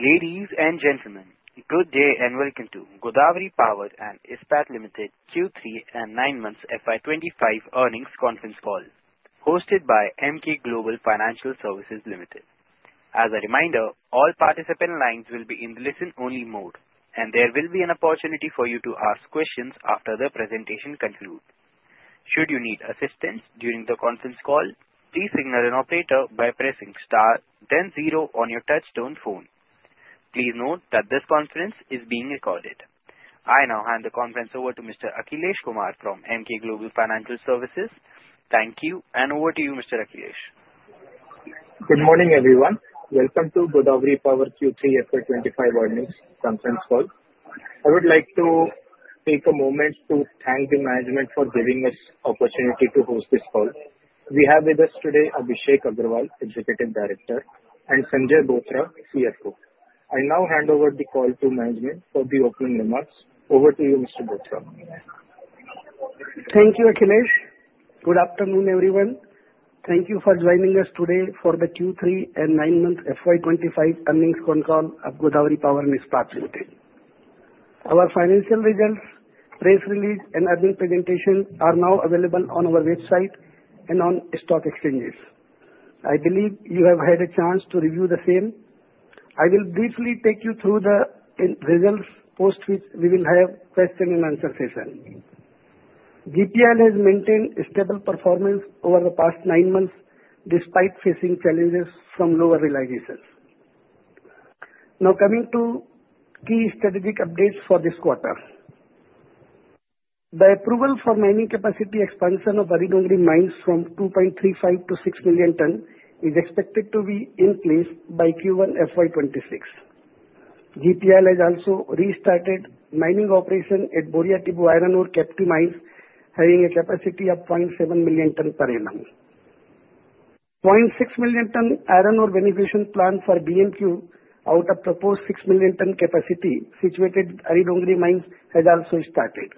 Ladies and gentlemen, good day and welcome to Godawari Power & Ispat Limited Q3 and Nine Months FY 2025 Earnings Conference Call, hosted by Emkay Global Financial Services Ltd. As a reminder, all participant lines will be in listen-only mode, and there will be an opportunity for you to ask questions after the presentation concludes. Should you need assistance during the conference call, please signal an operator by pressing star, then zero on your touch-tone phone. Please note that this conference is being recorded. I now hand the conference over to Mr. Akhilesh Kumar from Emkay Global Financial Services. Thank you, and over to you, Mr. Akhilesh. Good morning, everyone. Welcome to Godawari Power Q3 FY 2025 Earnings Conference Call. I would like to take a moment to thank the management for giving us the opportunity to host this call. We have with us today Abhishek Agrawal, Executive Director, and Sanjay Bothra, CFO. I now hand over the call to management for the opening remarks. Over to you, Mr. Bothra. Thank you, Akhilesh. Good afternoon, everyone. Thank you for joining us today for the Q3 and 9 Months FY 2025 Earnings Call at Godawari Power & Ispat Limited. Our financial results, press release, and earnings presentation are now available on our website and on stock exchanges. I believe you have had a chance to review the same. I will briefly take you through the results post which we will have a question and answer session. GPIL has maintained a stable performance over the past nine months despite facing challenges from lower realizations. Now, coming to key strategic updates for this quarter. The approval for mining capacity expansion of Ari Dongri mines from 2.35 million-6 million tons is expected to be in place by Q1 FY 2026. GPIL has also restarted mining operation at Boria Tibu Iron ore captive mines, having a capacity of 0.7 million tons per annum. 0.6 million tons iron ore beneficiation plant for BMQ out of proposed 6 million tons capacity situated at Ari Dongri mines has also started.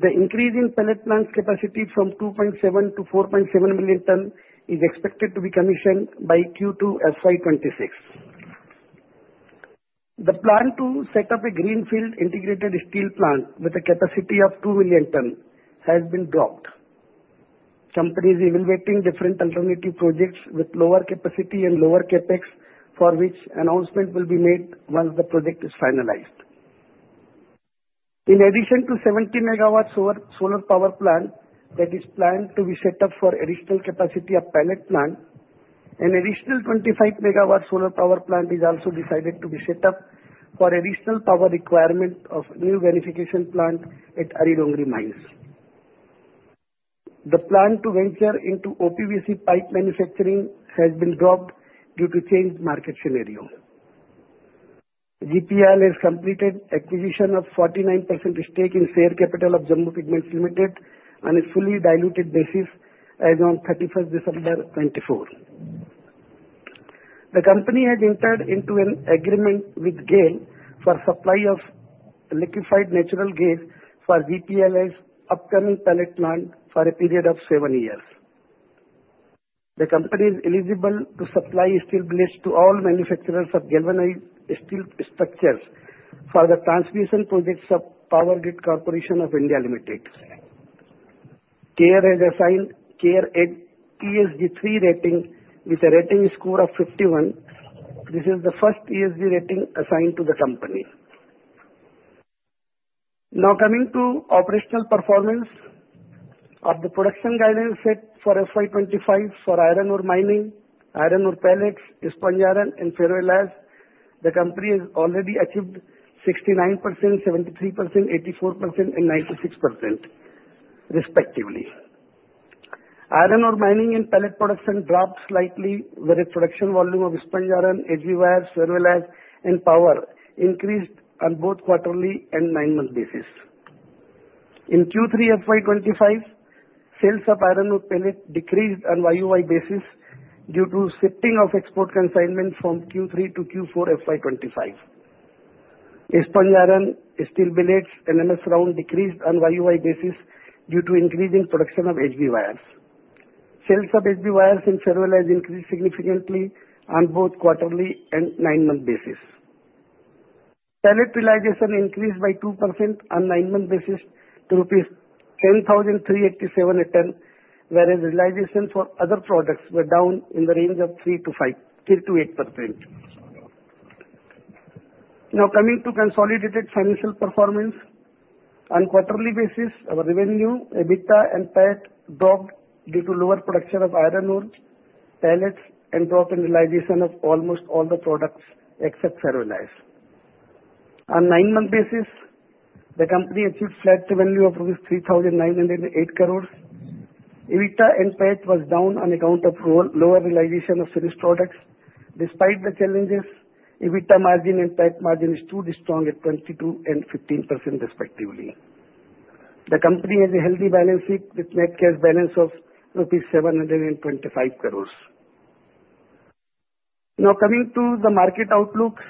The increase in pellet plants capacity from 2.7 million-4.7 million tons is expected to be commissioned by Q2 FY 2026. The plan to set up a greenfield integrated steel plant with a capacity of 2 million tons has been dropped. Companies are evaluating different alternative projects with lower capacity and lower capex for which announcement will be made once the project is finalized. In addition to 70 MW solar power plant that is planned to be set up for additional capacity of pellet plant, an additional 25 MW solar power plant is also decided to be set up for additional power requirement of new beneficiation plant at Ari Dongri mines. The plan to venture into OPVC pipe manufacturing has been dropped due to changed market scenario. GPIL has completed acquisition of 49% stake in share capital of Jammu Pigments Ltd on a fully diluted basis as of 31st December 2024. The company has entered into an agreement with GAIL for supply of liquefied natural gas for GPIL's upcoming pellet plant for a period of seven years. The company is eligible to supply steel billets to all manufacturers of galvanized steel structures for the transmission projects of Power Grid Corporation of India Limited. CARE has assigned CareEdge ESG 3 rating with a rating score of 51. This is the first ESG rating assigned to the company. Now, coming to operational performance of the production guidelines set for FY 2025 for iron ore mining, iron ore pellets, sponge iron, and ferroalloys, the company has already achieved 69%, 73%, 84%, and 96%, respectively. Iron ore mining and pellet production dropped slightly, whereas production volume of sponge iron, HB wires, ferroalloys, and power increased on both quarterly and nine-month basis. In Q3 FY 2025, sales of iron ore pellets decreased on YoY basis due to shifting of export consignment from Q3 to Q4 FY 2025. Sponge iron, steel billets, and MS round decreased on YoY basis due to increasing production of HB wires. Sales of HB wires and ferroalloys increased significantly on both quarterly and nine-month basis. Pellet realization increased by 2% on nine-month basis to 10,387 rupees a ton, whereas realization for other products were down in the range of 3%-8%. Now, coming to consolidated financial performance, on quarterly basis, our revenue, EBITDA, and PAT dropped due to lower production of iron ore pellets and dropped in realization of almost all the products except ferroalloys. On nine-month basis, the company achieved flat revenue of 3,908 crore. EBITDA and PAT was down on account of lower realization of finished products. Despite the challenges, EBITDA margin and PAT margin is too strong at 22% and 15%, respectively. The company has a healthy balance sheet with net cash balance of rupees 725 crore. Now, coming to the market outlook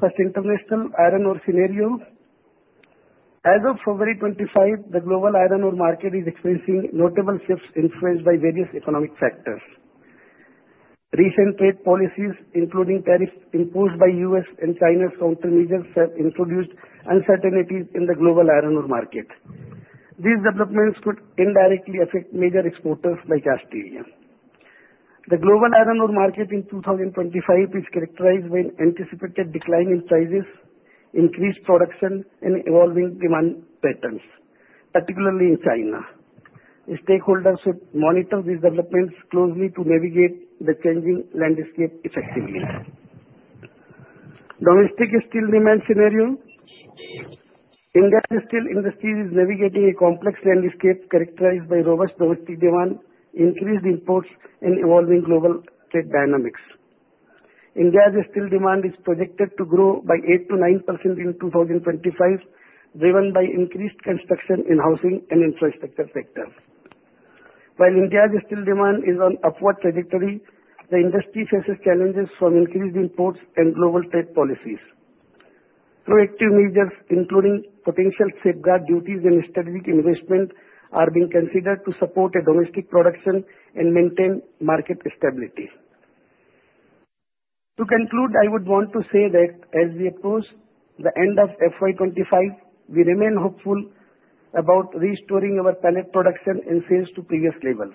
for international iron ore scenario, as of February 25, the global iron ore market is experiencing notable shifts influenced by various economic factors. Recent trade policies, including tariffs imposed by U.S. and China's countermeasures, have introduced uncertainties in the global iron ore market. These developments could indirectly affect major exporters like Australia. The global iron ore market in 2025 is characterized by an anticipated decline in prices, increased production, and evolving demand patterns, particularly in China. Stakeholders should monitor these developments closely to navigate the changing landscape effectively. Domestic steel demand scenario: India's steel industry is navigating a complex landscape characterized by robust domestic demand, increased imports, and evolving global trade dynamics. India's steel demand is projected to grow by 8%-9% in 2025, driven by increased construction in housing and infrastructure sectors. While India's steel demand is on an upward trajectory, the industry faces challenges from increased imports and global trade policies. Proactive measures, including potential safeguard duties and strategic investment, are being considered to support domestic production and maintain market stability. To conclude, I would want to say that as we approach the end of FY 2025, we remain hopeful about restoring our pellet production and sales to previous levels.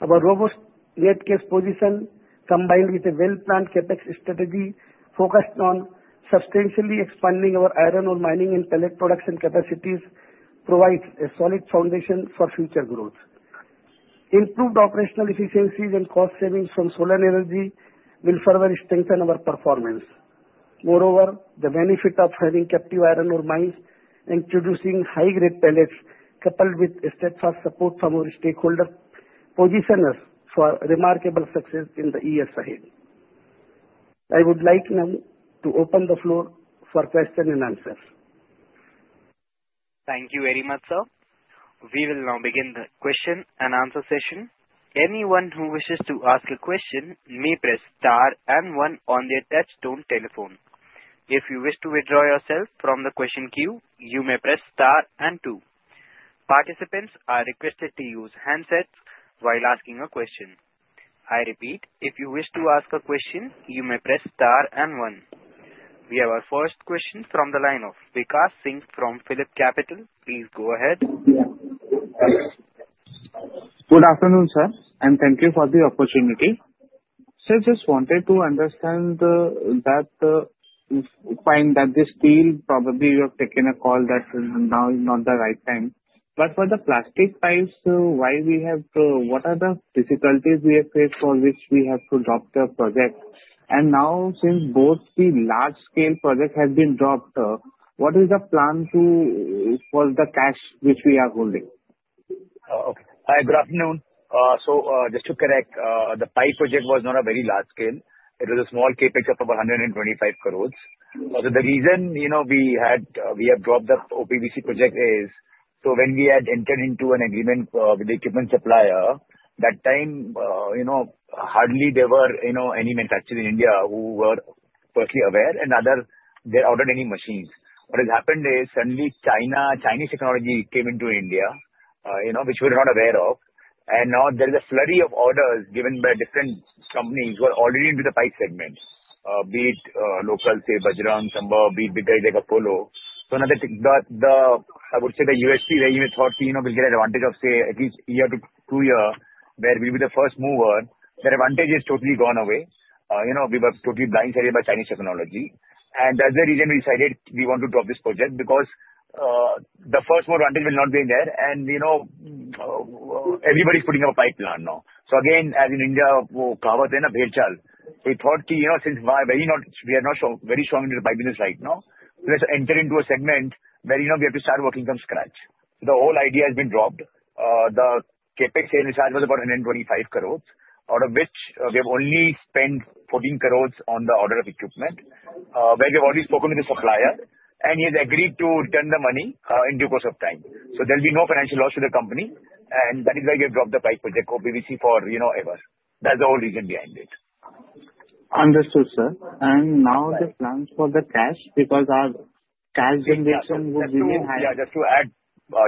Our robust net cash position, combined with a well-planned CapEx strategy focused on substantially expanding our iron ore mining and pellet production capacities, provides a solid foundation for future growth. Improved operational efficiencies and cost savings from solar energy will further strengthen our performance. Moreover, the benefit of having captive iron ore mines and introducing high-grade pellets coupled with steadfast support from our stakeholders positions us for remarkable success in the years ahead. I would like now to open the floor for questions and answers. Thank you very much, sir. We will now begin the question and answer session. Anyone who wishes to ask a question may press star and one on the touch-tone telephone. If you wish to withdraw yourself from the question queue, you may press star and two. Participants are requested to use handsets while asking a question. I repeat, if you wish to ask a question, you may press star and one. We have our first question from the line of Vikash Singh from Phillip Capital. Please go ahead. Good afternoon, sir, and thank you for the opportunity. Sir, I just wanted to understand that fine, that the steel, probably you have taken a call that now is not the right time. But for the plastic pipes, why, what are the difficulties we have faced for which we have to drop the project? And now, since both the large-scale project has been dropped, what is the plan for the cash which we are holding? Okay. Good afternoon. So just to correct, the pipe project was not a very large scale. It was a small CapEx of about 125 crore. So the reason we have dropped the OPVC project is so when we had entered into an agreement with the equipment supplier, that time, hardly there were any manufacturers in India who were previously aware and others had ordered any machines. What has happened is suddenly Chinese technology came into India, which we were not aware of. And now there is a slew of orders given by different companies who are already into the pipe segment, be it local, say, Bajrang, Sambhv, be it bigger, they got Apollo. So now the, I would say, the USP where you may thought we'll get an advantage of, say, at least a year to two years, where we'll be the first mover, the advantage has totally gone away. We were totally blindsided by Chinese technology. And that's the reason we decided we want to drop this project because the first advantage will not be in there, and everybody's putting up a pipeline now. So again, as in India, we thought since we are not very strong into the pipe business right now, let's enter into a segment where we have to start working from scratch. The whole idea has been dropped. The CapEx was about 125 crore, out of which we have only spent 14 crore on the order of equipment, where we have already spoken with the supplier, and he has agreed to return the money in due course of time. So there will be no financial loss to the company, and that is why we have dropped the pipe project for OPVC forever. That's the whole reason behind it. Understood, sir, and now the plans for the cash because our cash generation would be higher. Yeah, just to add,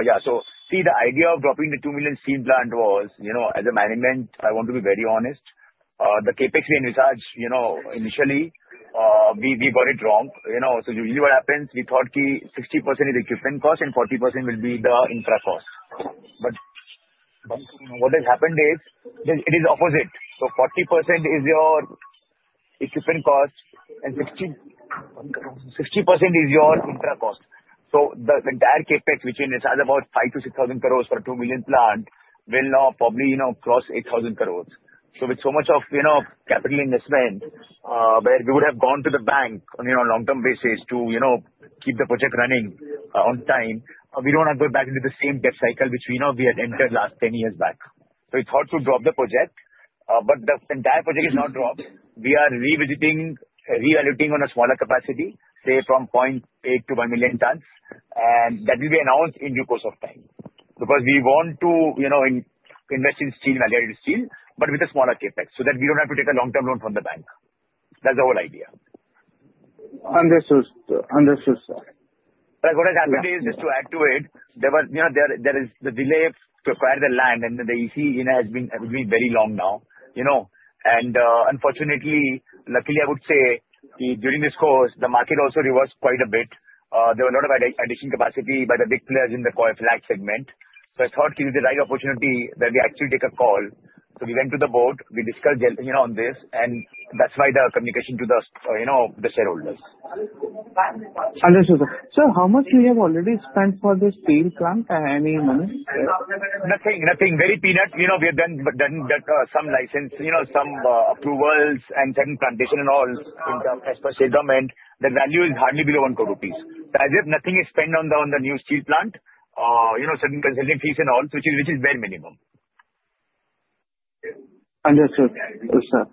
yeah. So see, the idea of dropping the 2 million steel plant was, as a management, I want to be very honest, the CapEx we initially we got it wrong. So usually what happens, we thought 60% is equipment cost and 40% will be the infra cost. But what has happened is it is opposite. So 40% is your equipment cost and 60% is your infra cost. So the entire CapEx, which is about 5,000 crore-6,000 crore for a 2 million plant, will now probably cross 8,000 crore. So with so much of capital investment, where we would have gone to the bank on a long-term basis to keep the project running on time, we don't want to go back into the same debt cycle which we had entered last 10 years back. We thought to drop the project, but the entire project is now dropped. We are revisiting, re-allocating on a smaller capacity, say, from 0.8 million-1 million tons, and that will be announced in due course of time because we want to invest in steel, value-added steel, but with a smaller CapEx so that we don't have to take a long-term loan from the bank. That's the whole idea. Understood, sir. What has happened is, just to add to it, there is the delay to acquire the land, and the EC has been very long now, and unfortunately, luckily, I would say, during this course, the market also reversed quite a bit. There were a lot of addition capacity by the big players in the pellet segment, so I thought it is the right opportunity that we actually take a call, so we went to the board, we discussed on this, and that's why the communication to the shareholders. Understood, sir. So how much do you have already spent for the steel plant? Any money? Nothing, nothing. Very peanut. We have done some license, some approvals, and certain plantation and all, as per government, and the value is hardly below 1 crore rupees. As if nothing is spent on the new steel plant, certain consulting fees and all, which is very minimum. Understood, sir.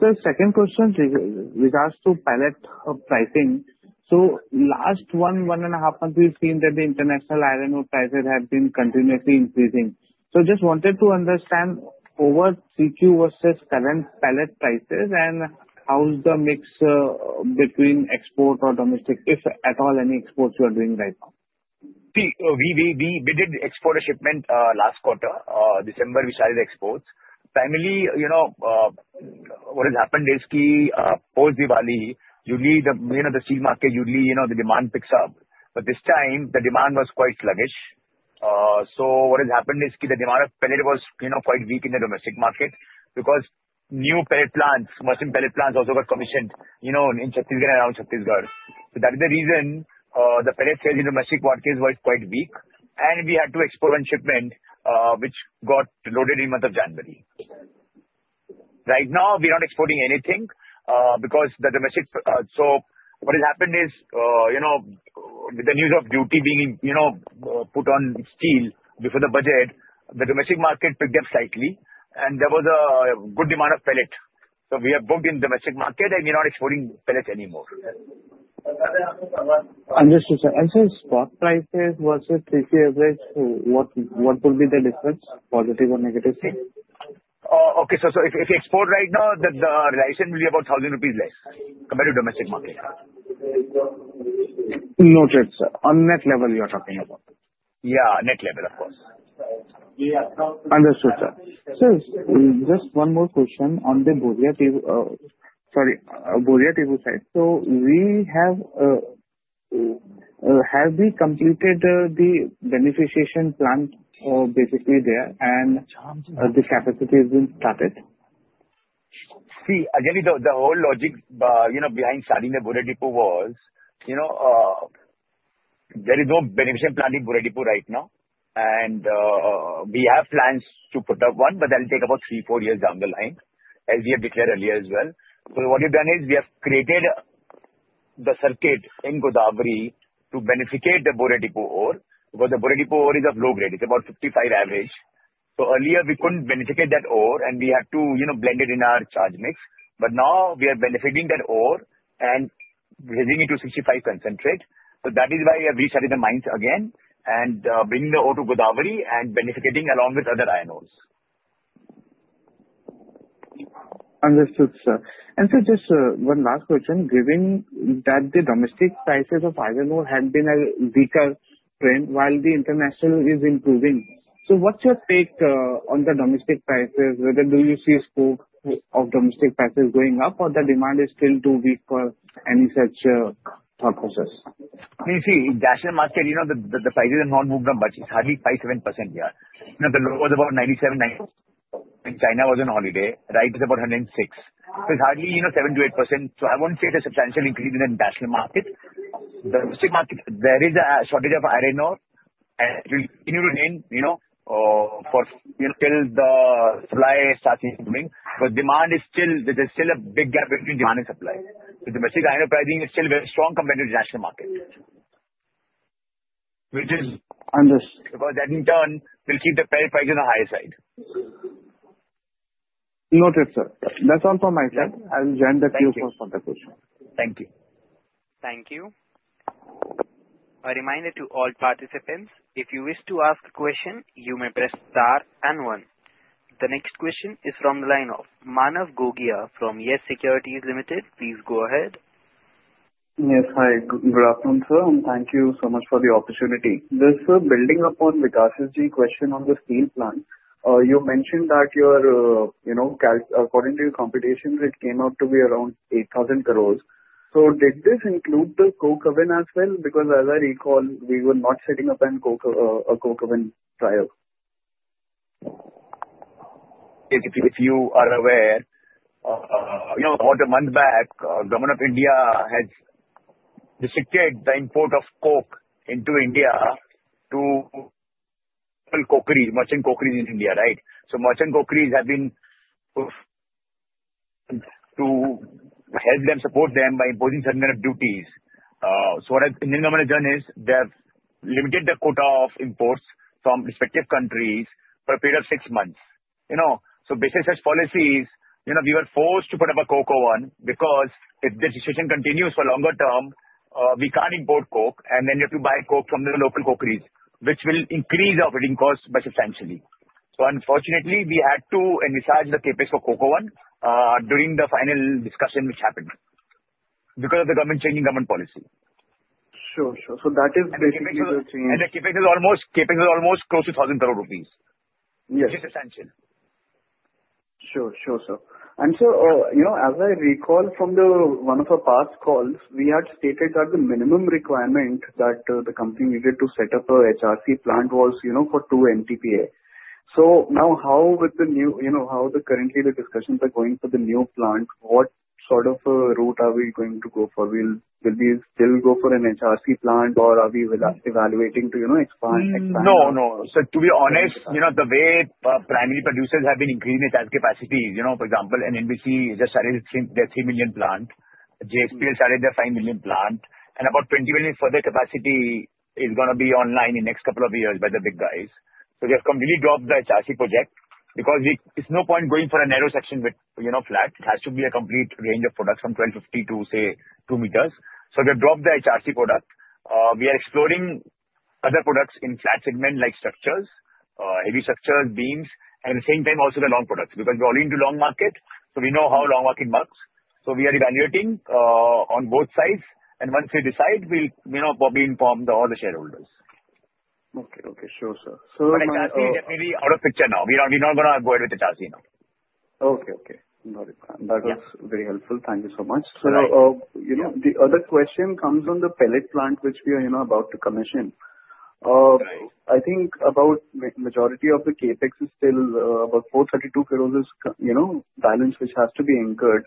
So second question in regards to pellet pricing. So last one, one and a half months, we've seen that the international iron ore prices have been continuously increasing. So just wanted to understand over CQ versus current pellet prices and how's the mix between export or domestic, if at all, any exports you are doing right now? See, we did export a shipment last quarter. December, we started exports. Primarily, what has happened is post-Diwali, usually the steel market, usually the demand picks up. But this time, the demand was quite sluggish. So what has happened is the demand of pellet was quite weak in the domestic market because new pellet plants, multiple pellet plants, also got commissioned in Chhattisgarh and around Chhattisgarh. So that is the reason the pellet sales in domestic markets were quite weak, and we had to export one shipment which got loaded in the month of January. Right now, we are not exporting anything because the domestic. So what has happened is with the news of duty being put on steel before the budget, the domestic market picked up slightly, and there was a good demand of pellet. So we have booked in domestic market, and we are not exporting pellets anymore. Understood, sir. And so spot prices versus CQ average, what will be the difference, positive or negative? Okay. So if you export right now, the realization will be about INR 1,000 less compared to domestic market. Noted, sir. On net level, you are talking about? Yeah, net level, of course. Understood, sir. So just one more question on the Boria Tibu side. So have we completed the beneficiation plant basically there, and the capacity has been started? See, actually, the whole logic behind starting the Boria Tibu was there is no beneficiation plant in Boria Tibu right now, and we have plans to put up one, but that will take about three, four years down the line, as we have declared earlier as well. So what we've done is we have created the circuit in Godawari to beneficiate the Boria Tibu ore because the Boria Tibu ore is of low grade. It's about 55% average. So earlier, we couldn't beneficiate that ore, and we had to blend it in our charge mix. But now we are beneficiating that ore and raising it to 65% concentrate. So that is why we started the mines again and bringing the ore to Godawari and beneficiating along with other iron ores. Understood, sir. And so just one last question. Given that the domestic prices of iron ore have been a weaker trend while the international is improving, so what's your take on the domestic prices? Whether do you see a spike of domestic prices going up or the demand is still too weak for any such thought process? See, in the international market, the prices have not moved that much. It's hardly 5%-7% here. The low was about 97%-98%. When China was on holiday, right, it's about 106%. So it's hardly 7%-8%. So I won't say it's a substantial increase in the international market. The domestic market, there is a shortage of iron ore, and it will continue to remain until the supply starts improving. But demand is still there. There's still a big gap between demand and supply. The domestic iron ore pricing is still very strong compared to the international market, which is because that, in turn, will keep the pellet price on the higher side. Noted, sir. That's all from my side. I'll join the queue for further questions. Thank you. Thank you. A reminder to all participants, if you wish to ask a question, you may press star and one. The next question is from the line of Manav Gogia from YES SECURITIES Limited. Please go ahead. Yes, hi. Good afternoon, sir, and thank you so much for the opportunity. Just building upon Vikas's question on the steel plant, you mentioned that your, according to your computations, it came out to be around 8,000 crore. So did this include the coke oven as well? Because as I recall, we were not setting up a coke oven prior. If you are aware, about a month back, Government of India has restricted the import of coke into India to merchant cokeries in India, right? So merchant cokeries have been to help them, support them by imposing certain amount of duties. So what has Indian government done is they have limited the quota of imports from respective countries for a period of six months. So basically such policies, we were forced to put up a coke oven because if the restriction continues for a longer term, we can't import coke, and then you have to buy coke from the local cokeries, which will increase our operating costs by substantially. So unfortunately, we had to envisage the CapEx for coke oven during the final discussion which happened because of the government changing government policy. Sure, sure. So that is basically the change. The CapEx is almost close to 1,000 crore rupees, which is substantial. Sure, sure, sir. And sir, as I recall from one of our past calls, we had stated that the minimum requirement that the company needed to set up an HRC plant was for two MTPA. So now, how with the new, how currently the discussions are going for the new plant, what sort of route are we going to go for? Will we still go for an HRC plant, or are we evaluating to expand? No, no. So to be honest, the way primary producers have been increasing their capacity, for example, NMDC has started their 3 million plant. JSPL has started their 5 million plant, and about 20 million further capacity is going to be online in the next couple of years by the big guys. So we have completely dropped the HRC project because it's no point going for a narrow section with flat. It has to be a complete range of products from 1250 to, say, 2 m. So we have dropped the HRC product. We are exploring other products in flat segment like structures, heavy structures, beams, and at the same time also the long products because we're all into long market, so we know how long market works. So we are evaluating on both sides, and once we decide, we'll probably inform all the shareholders. Okay, okay. Sure, sir. So. But HRC is definitely out of the picture now. We're not going to go ahead with HRC now. Okay, okay. Got it. That was very helpful. Thank you so much. So the other question comes on the pellet plant which we are about to commission. I think about majority of the CapEx is still about 432 crore balance which has to be anchored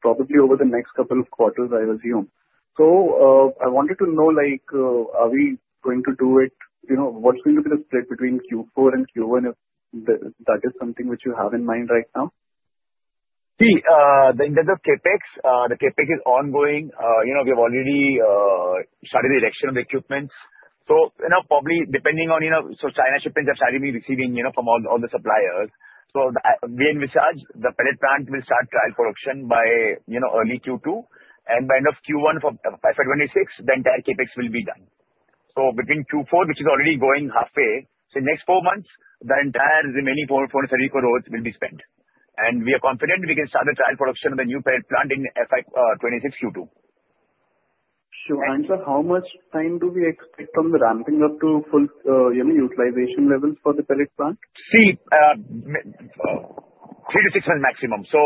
probably over the next couple of quarters, I assume. So I wanted to know, are we going to do it? What's going to be the split between Q4 and Q1 if that is something which you have in mind right now? See, in terms of CapEx, the CapEx is ongoing. We have already started the erection of the equipment. So probably depending on, so China shipments are starting to be received from all the suppliers. So we envisage the pellet plant will start trial production by early Q2, and by end of Q1 for FY 2026, the entire CapEx will be done. So between Q4, which is already going halfway, so next four months, the entire remaining 432 crore will be spent, and we are confident we can start the trial production of the new pellet plant in FY 2026 Q2. Sure. And sir, how much time do we expect from the ramping up to full utilization levels for the pellet plant? See, three to six months maximum. So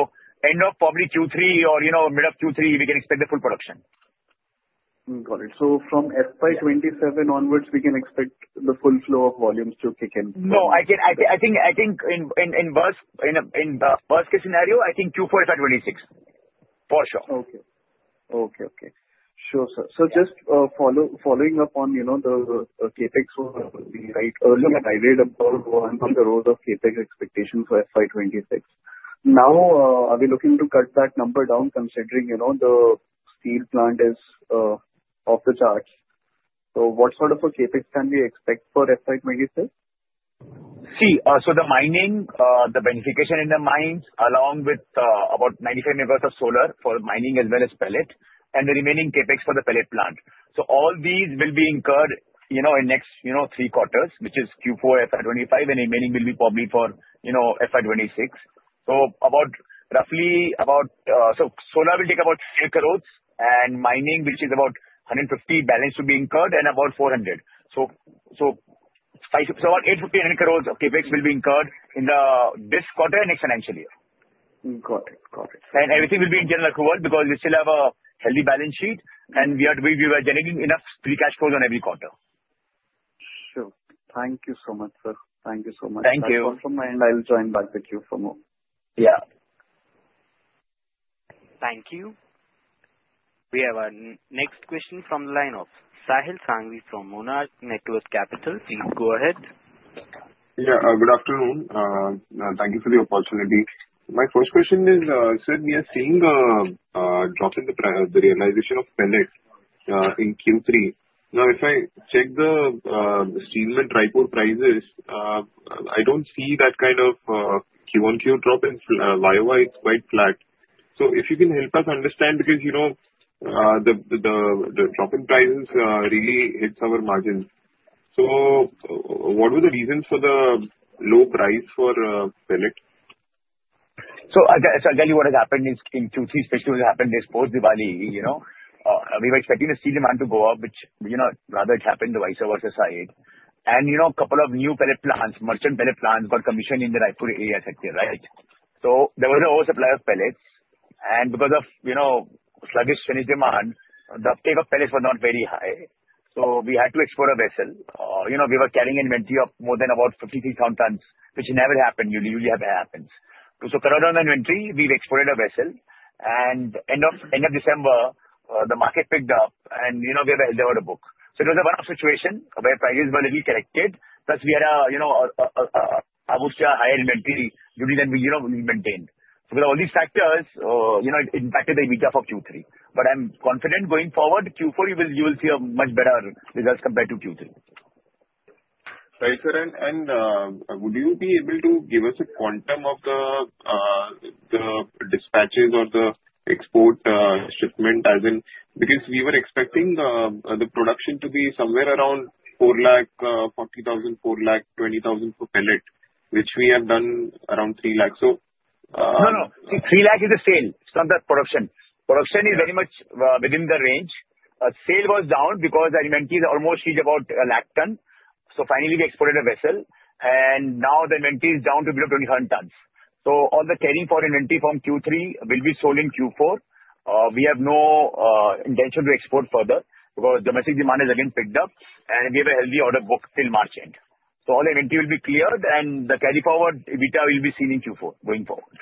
end of probably Q3 or mid of Q3, we can expect the full production. Got it. So from FY 2027 onwards, we can expect the full flow of volumes to kick in? No. I think in the worst case scenario, I think Q4 to FY 2026 for sure. Sure, sir. So just following up on the CapEx, we were right earlier, I read about the role of CapEx expectation for FY 2026. Now, are we looking to cut that number down considering the steel plant is off the charts? So what sort of a CapEx can we expect for FY 2026? See, so the mining, the beneficiation in the mines, along with about 95 MW of solar for mining as well as pellet, and the remaining CapEx for the pellet plant. So all these will be incurred in next three quarters, which is Q4, FY 2025, and remaining will be probably for FY 2026. So roughly about so solar will take about 10 crore, and mining, which is about 150 crore, balance will be incurred, and about 400 crore. So about 850 crore-900 crore of CapEx will be incurred in this quarter and next financial year. Got it, got it. Everything will be in general accrual because we still have a healthy balance sheet, and we are generating enough free cash flows on every quarter. Sure. Thank you so much, sir. Thank you so much. Thank you. From my end, I'll join back with you for more. Yeah. Thank you. We have a next question from the line of Sahil Sanghvi from Monarch Networth Capital. Please go ahead. Yeah. Good afternoon. Thank you for the opportunity. My first question is, sir, we are seeing a drop in the realization of pellets in Q3. Now, if I check the steel and TMT rod prices, I don't see that kind of Q1 Q2 drop in YoY. It's quite flat. So if you can help us understand, because the drop in prices really hits our margins. So what were the reasons for the low price for pellet? So I'll tell you what has happened in Q3, especially what has happened this post-Diwali. We were expecting the steel demand to go up, which rather it happened the wires versus slab side. And a couple of new pellet plants, merchant pellet plants, got commissioned in the iron sector, right? So there was an oversupply of pellets, and because of sluggish finished demand, the uptake of pellets was not very high. So we had to export a vessel. We were carrying an inventory of more than about 53,000 tons, which never happened. Usually, it doesn't happen. So cut down on the inventory, we've exported a vessel, and end of December, the market picked up, and we have a healthy order book. So it was a one-off situation where prices were a little corrected, plus we had a cost due to our higher inventory than we maintained. So because of all these factors, it impacted the EBITDA for Q3. But I'm confident going forward, Q4 you will see a much better result compared to Q3. Right sir, and would you be able to give us a quantum of the dispatches or the export shipment as in because we were expecting the production to be somewhere around 440,000, 420,000 per pellet, which we have done around 3 lakh. So. No, no. 3 lakh is the sale. It's not that production. Production is very much within the range. Sale was down because the inventory is almost reached about a lakh ton. So finally, we exported a vessel, and now the inventory is down to below 2,500 tons. So all the carrying forward inventory from Q3 will be sold in Q4. We have no intention to export further because domestic demand has again picked up, and we have a healthy order book till March end. So all the inventory will be cleared, and the carry forward EBITDA will be seen in Q4 going forward.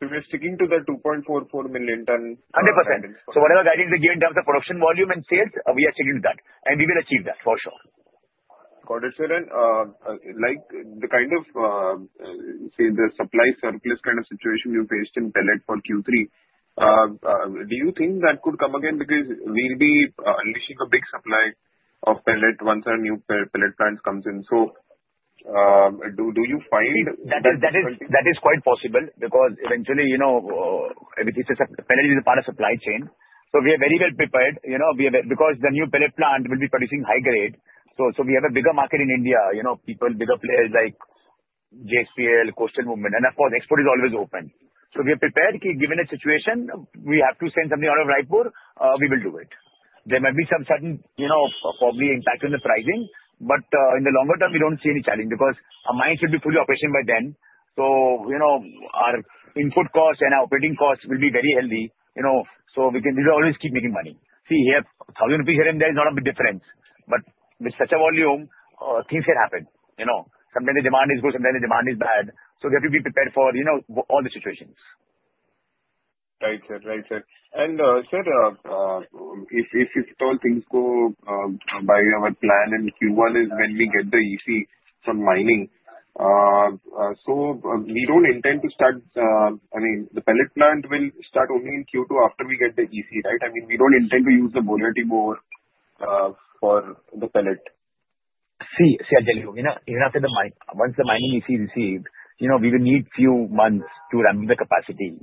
We are sticking to the 2.44 million tons? 100%. So whatever guidance is given in terms of production volume and sales, we are sticking to that, and we will achieve that for sure. Got it, sir. And like the kind of, say, the supply surplus kind of situation you faced in pellet for Q3, do you think that could come again because we'll be unleashing a big supply of pellet once our new pellet plant comes in? So do you find. That is quite possible because eventually, pellet is a part of supply chain, so we are very well prepared because the new pellet plant will be producing high-grade, so we have a bigger market in India, people, bigger players like JSPL, coastal movement, and of course, export is always open, so we are prepared given the situation. We have to send something out of Raipur. We will do it. There might be some sudden, probably impact on the pricing, but in the longer term, we don't see any challenge because our mines should be fully operational by then, so our input costs and our operating costs will be very healthy, so we can always keep making money. See, here, 1,000 rupees here and there is not a big difference, but with such a volume, things can happen. Sometimes the demand is good. Sometimes the demand is bad. So we have to be prepared for all the situations. Right, sir. Sir, if all things go by our plan, and Q1 is when we get the EC from mining, so we don't intend to start, I mean, the pellet plant will start only in Q2 after we get the EC, right? I mean, we don't intend to use the Boria Tibu for the pellet. See, see, I'll tell you. Even after the mine, once the mining EC is received, we will need a few months to ramp up the capacity.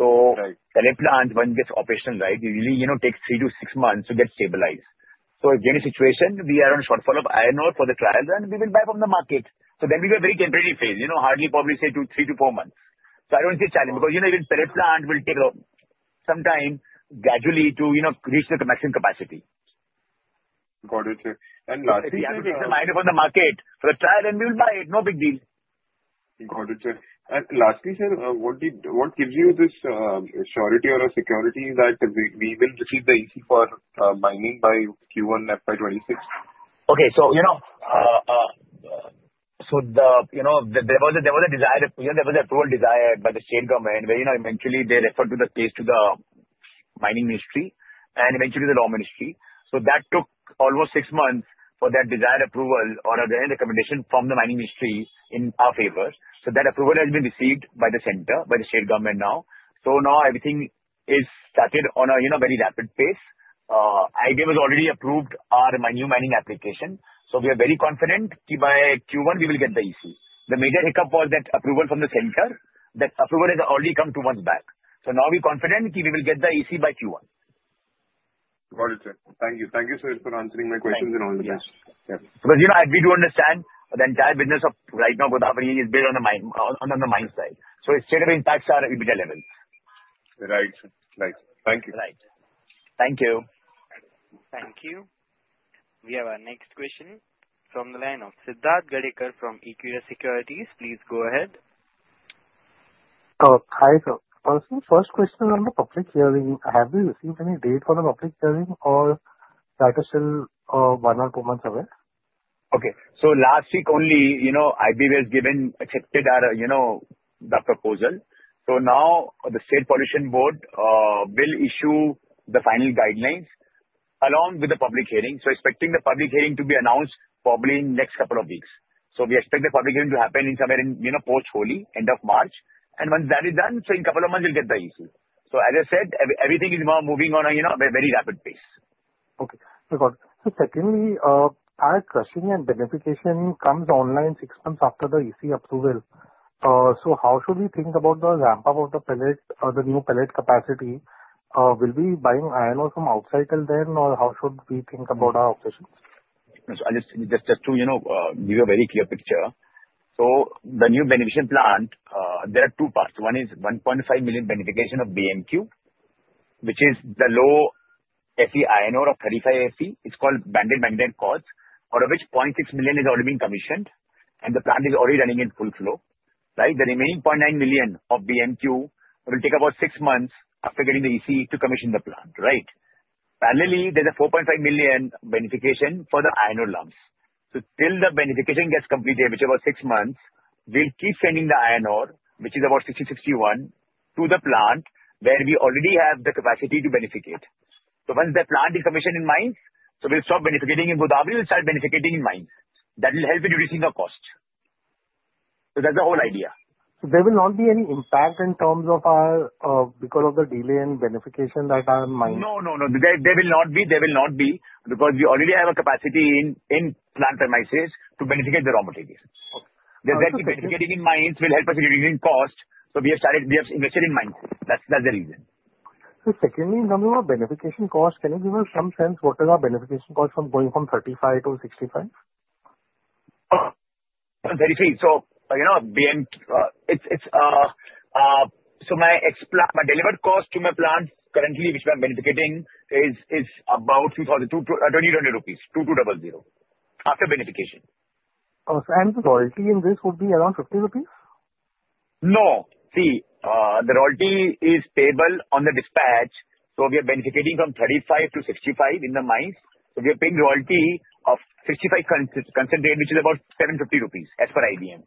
So, pellet plant, once it gets operational, right, usually takes three to six months to get stabilized. So, if there's a situation, we are on shortfall of iron ore for the trials, and we will buy from the market. So then we will have a very temporary phase, hardly probably say three to four months. So I don't see a challenge because even pellet plant will take some time gradually to reach the maximum capacity. Got it, sir. And lastly. If we have to take the miner from the market for the trial, then we will buy it. No big deal. Got it, sir. And lastly, sir, what gives you this surety or a certainty that we will receive the EC for mining by Q1 FY 2026? Okay. So there was a desired approval by the state government where eventually they referred the case to the Mining Ministry and eventually the Law Ministry. So that took almost six months for that desired approval or a recommendation from the Mining Ministry in our favor. So that approval has been received by the center, by the state government now. So now everything is started on a very rapid pace. IBM has already approved our new mining application. So we are very confident by Q1 we will get the EC. The major hiccup was that approval from the center. That approval has already come two months back. So now we're confident we will get the EC by Q1. Got it, sir. Thank you. Thank you, sir, for answering my questions in all detail. Yes. Because we do understand the entire business of right now, Godawari, is based on the mine side. So it's still impacts our EBITDA level. Right, sir. Right. Thank you. Right. Thank you. Thank you. We have our next question from the line of Siddharth Gadekar from Equirus Securities. Please go ahead. Hi, sir. First question on the public hearing, have we received any date for the public hearing or that is still one or two months away? Okay. Last week only, IBM has given, accepted the proposal. Now the State Pollution Board will issue the final guidelines along with the public hearing. Expecting the public hearing to be announced probably in the next couple of weeks. We expect the public hearing to happen somewhere in post-Holi, end of March. Once that is done, in a couple of months, we'll get the EC. As I said, everything is now moving on a very rapid pace. Okay. I got it. So secondly, our crushing and beneficiation comes online six months after the EC approval. So how should we think about the ramp-up of the new pellet capacity? Will we be buying iron ore from outside till then, or how should we think about our operations? Just to give you a very clear picture, so the new beneficiation plant, there are two parts. One is 1.5 million beneficiation of BMQ, which is the low FE iron ore of 35 FE. It's called banded magnetite quartzite, out of which 0.6 million is already being commissioned, and the plant is already running in full flow. Right? The remaining 0.9 million of BMQ will take about six months after getting the EC to commission the plant, right? Parallelly, there's a 4.5 million beneficiation for the iron ore lumps. So till the beneficiation gets completed, which is about six months, we'll keep sending the iron ore, which is about 60-61, to the plant where we already have the capacity to beneficiate. So once the plant is commissioned in mines, so we'll stop beneficiating in Godawari, we'll start beneficiating in mines. That will help in reducing the cost. So that's the whole idea. So, there will not be any impact in terms of our because of the delay in beneficiation that our mines? No, no, no. There will not be. There will not be because we already have a capacity in plant premises to beneficiate the raw material. The beneficiating in mines will help us in reducing cost. So we have started investing in mines. That's the reason. Secondly, in terms of our beneficiation cost, can you give us some sense what is our beneficiation cost from going from 35 to 65? Briefly. So my delivered cost to my plant currently, which I'm beneficiating, is about 2,200 rupees after beneficiation. The royalty in this would be around 50 rupees? No. See, the royalty is payable on the dispatch. So we are beneficiating from 35 to 65 in the mines. So we are paying royalty of 65 concentrate, which is about 750 rupees as per IBM.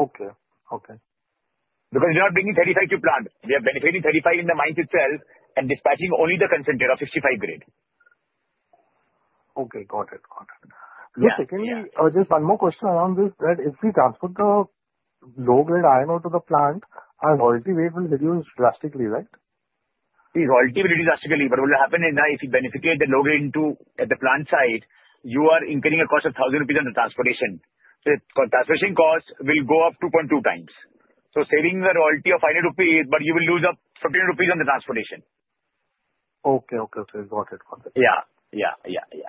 Okay. Okay. Because we are not bringing 35 to the plant. We are beneficiating 35 in the mines itself and dispatching only the concentrate of 65 grade. Okay. Got it. Got it. So secondly, just one more question around this, that if we transport the low-grade iron ore to the plant, our royalty rate will reduce drastically, right? See, royalty will reduce drastically, but what will happen is now if you beneficiate the low-grade into at the plant side, you are incurring a cost of 1,000 rupees on the transportation. So the transportation cost will go up 2.2 times. So saving the royalty of INR 500, but you will lose up INR 1,500 on the transportation. Okay. Okay. Okay. Got it. Got it. Yeah. Yeah. Yeah. Yeah.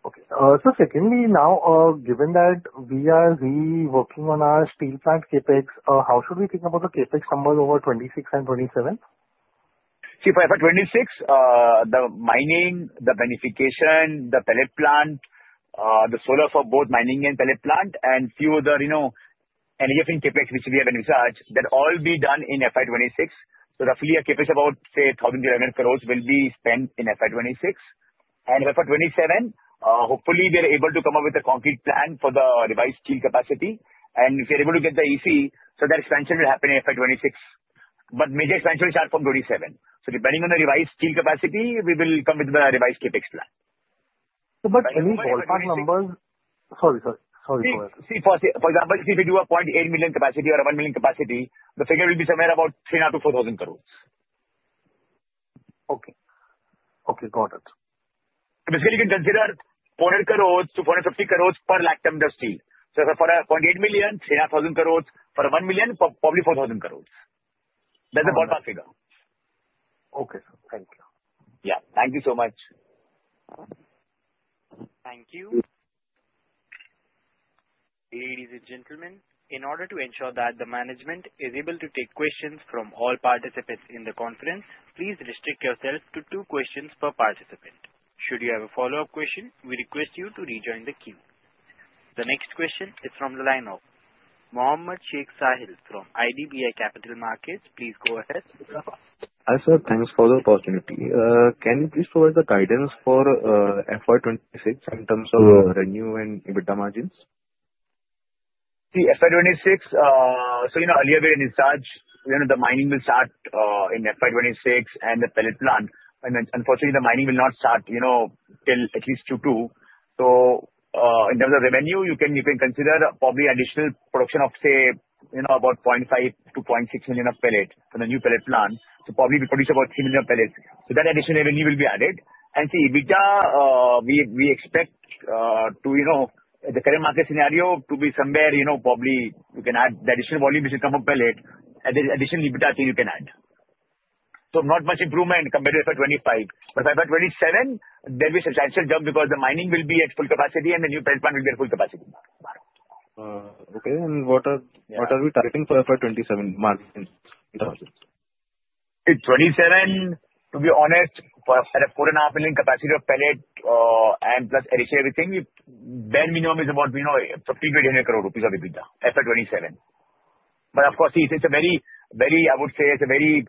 Okay, so secondly, now, given that we are really working on our steel plant CapEx, how should we think about the CapEx numbers over 2026 and 2027? See, for FY 2026, the mining, the beneficiation, the pellet plant, the solar for both mining and pellet plant, and few other energy efficient capex, which we have beneficiaries, that all will be done in FY 2026. So roughly a capex of about, say, 1,300 crore will be spent in FY 2026. And for FY 2027, hopefully, we are able to come up with a concrete plan for the revised steel capacity. And if we are able to get the EC, so that expansion will happen in FY 2026. But major expansion will start from 2027. So depending on the revised steel capacity, we will come with the revised capex plan. So, but any ballpark numbers? Sorry, sorry. Sorry. Go ahead. See, for example, if we do a 0.8 million capacity or a 1 million capacity, the figure will be somewhere about 3,500 crore-4,000 crore. Okay. Okay. Got it. Basically, you can consider 400 crore to 450 crore per lakh ton of steel. So for a 0.8 million, 3,500 crore. For a 1 million, probably 4,000 crore. That's the ballpark figure. Okay. Thank you. Yeah. Thank you so much. Thank you. Ladies and gentlemen, in order to ensure that the management is able to take questions from all participants in the conference, please restrict yourself to two questions per participant. Should you have a follow-up question, we request you to rejoin the queue. The next question is from the line of Mohd Sheikh Sahil from IDBI Capital Markets. Please go ahead. Hi sir, thanks for the opportunity. Can you please provide the guidance for FY 2026 in terms of revenue and EBITDA margins? See, FY 2026, so earlier we had in sight, the mining will start in FY 2026 and the pellet plant. And unfortunately, the mining will not start till at least Q2. So in terms of revenue, you can consider probably additional production of, say, about 0.5 million-0.6 million of pellets for the new pellet plant. So probably we produce about 3 million pellets. So that additional revenue will be added. And see, EBITDA, we expect to, in the current market scenario, to be somewhere probably you can add the additional volume which will come from pellets. There's additional EBITDA thing you can add. So not much improvement compared to FY 2025. But for FY 2027, there will be a substantial jump because the mining will be at full capacity and the new pellet plant will be at full capacity. Okay. And what are we targeting for FY 2027 margins? FY 2027, to be honest, for a 4.5 million capacity of pellet and plus additional everything, bare minimum is about 1,500 crore-1,000 crore rupees of EBITDA FY 2027. But of course, see, it's a very, very, I would say, it's a very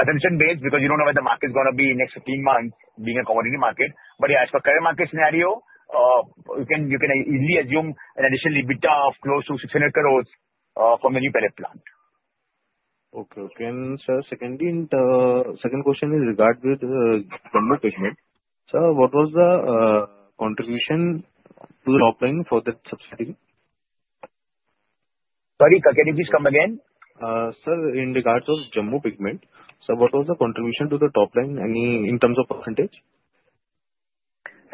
assumption-based because you don't know what the market's going to be in the next 15 months being a commodity market. But yeah, as per current market scenario, you can easily assume an additional EBITDA of close to INR 600 crore from the new pellet plant. Okay. And, Sir, secondly, the second question is regarding Jammu Pigments. Sir, what was the contribution to the top line for that subsidiary?